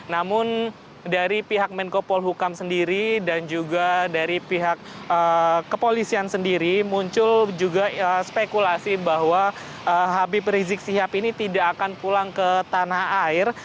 namun dari pihak menko polhukam sendiri dan juga dari pihak kepolisian sendiri muncul juga spekulasi bahwa habib rizik sihab ini tidak akan pulang ke tanah air